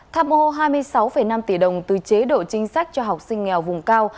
tham ô hai mươi sáu năm tỷ đồng từ chế độ chính sách cho học sinh nghèo vùng cao